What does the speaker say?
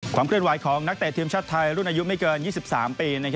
ความเคลื่อนไหวของนักเตะทีมชาติไทยรุ่นอายุไม่เกิน๒๓ปี